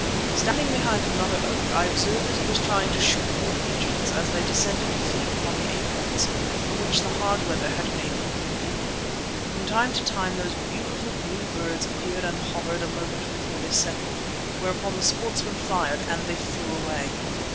Standing behind another oak, I observed that he was trying to shoot wood pigeons as they descended to feed upon the acorns, for which the hard weather had made them greedy. From time to time these beautiful blue birds appeared and hovered a moment before they settled, whereon the sportsman fired and—they flew away.